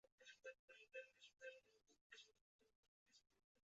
凫庄因形似野鸭浮水而得名。